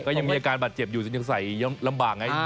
ก็ยังมีอาการบาดเจ็บอยู่ยังใส่ลำบากไง